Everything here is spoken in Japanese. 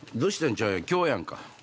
ちゃうやん今日やんか。